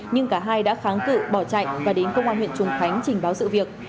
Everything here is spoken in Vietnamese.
nhưng cả hai đã kháng cự bỏ chạy và đến công an huyện trùng khánh trình báo sự việc